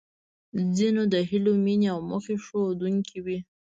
ځينې د هیلو، مينې او موخې ښودونکې وې.